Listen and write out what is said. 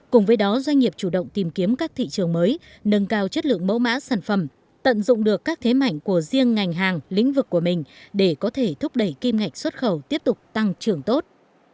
cùng với đó doanh nghiệp chủ động tìm kiếm các thị trường mới nâng cao chất lượng mẫu mã sản phẩm tận dụng được các thế mạnh của riêng ngành hàng lĩnh vực của mình để có thể thúc đẩy kim ngạch xuất khẩu tiếp tục tăng trưởng tốt